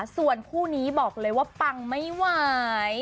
ส่วนคู่นี้บอกเลยว่าปังไม่ไหว